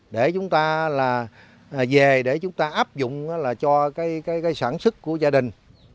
để chúng ta là về để chúng ta áp dụng cho cái sản xuất của gia đình